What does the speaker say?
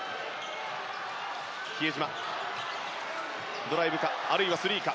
比江島、ドライブかあるいはスリーか！